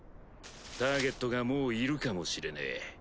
ターゲットがもういるかもしれねぇ。